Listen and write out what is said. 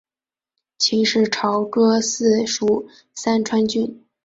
秦时朝歌邑属三川郡。